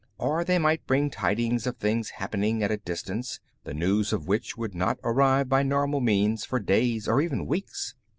Or they might bring tidings of things happening at a distance, the news of which would not arrive by normal means for days or even weeks.